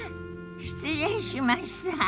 失礼しました。